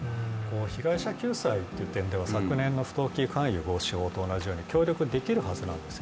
被害者救済という点では昨年の不当寄付勧誘防止法と同じで協力できるはずなんです。